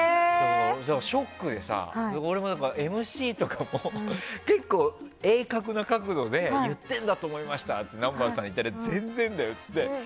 ショックでさ俺もＭＣとか結構鋭角な角度で言ってんだと思いましたって南原さんに言ったら全然だよって言って。